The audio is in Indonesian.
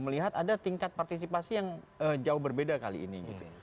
melihat ada tingkat partisipasi yang jauh berbeda kali ini